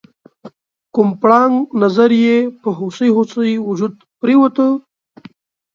کوم پړانګ نظر یې په هوسۍ هوسۍ وجود پریوته؟